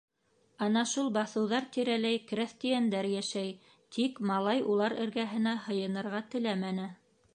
Ана шул баҫыуҙар тирәләй крәҫтиәндәр йәшәй, тик малай улар эргәһенә һыйынырға теләмәне.